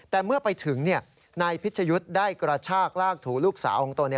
แต่เมื่อไปถึงนายพิชยุทธ์ได้กระชากลากถูลูกสาวของตน